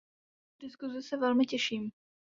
Na tuto diskusi se velmi těším.